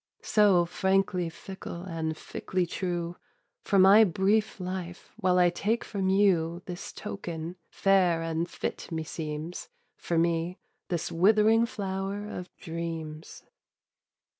"So, frankly fickle, and fickly true, For my brief life while I take from you This token, fair and fit, meseems, For me this withering flower of dreams."